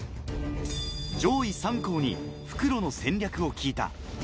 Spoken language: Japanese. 上位３校に復路の戦略を聞いた。